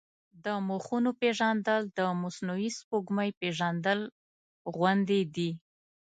د مخونو پېژندل د مصنوعي سپوږمۍ پېژندل غوندې دي.